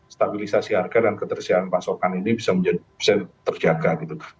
stabilisasi harga dan ketersediaan pasokan ini bisa terjaga gitu